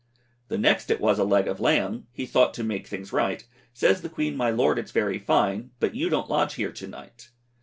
The next it was a leg of Lamb, He thought to make things right, Says the Queen, my lord, it's very fine, But you don't lodge here to night.